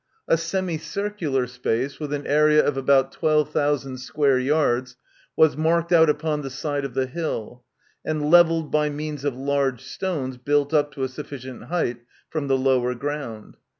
A semicircular space, with an area of about twelve thousand square yards, was marked out upon the side of the hill, and levelled by means of large stones built up to a sufficient height from the lower ground.